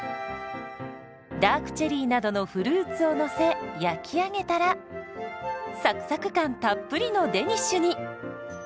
ダークチェリーなどのフルーツをのせ焼き上げたらサクサク感たっぷりのデニッシュに。